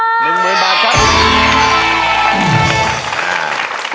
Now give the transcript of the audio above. หนึ่งหมื่นบาทครับคุณผู้ชม